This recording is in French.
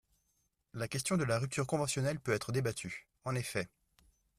La question de la rupture conventionnelle peut être débattue, En effet